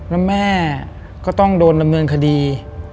แล้วแม่ก็ต้องโดนดำเนินคดี